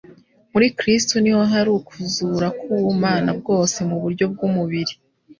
Muri Kristo «niho hari ukuzura k'ubumana bwose, mu buryo bw'umubiri.